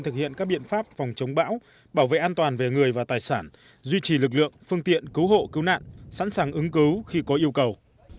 thực hiện các biện pháp phòng chống bão bảo vệ an toàn về người và tài sản duy trì lực lượng phương tiện cứu hộ cứu nạn sẵn sàng ứng cứu khi có yêu cầu